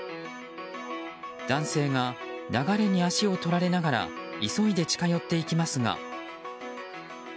男性が流れに足を取られながら急いで近寄っていきますが。